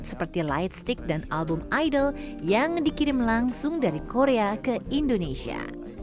seperti lightstick dan album idol yang dikirim langsung dari korea ke indonesia